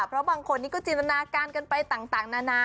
เพราะบางคนนี้ก็จินตนาการกันไปต่างนานา